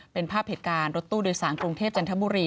เป็นภาพเหตุการณ์รถตู้โดยสารกรุงเทพจันทบุรี